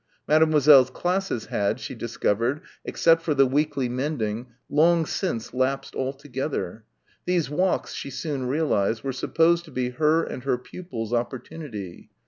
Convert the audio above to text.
Mademoiselle's classes had, she discovered, except for the weekly mending long since lapsed altogether. These walks, she soon realised, were supposed to be her and her pupils' opportunity.